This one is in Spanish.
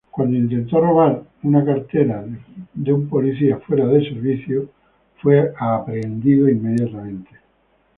Cuando intentó robar una cartera de un policía fuera de deber, fue aprehendido inmediatamente.